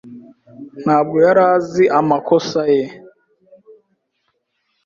Ntabwo yari azi amakosa ye.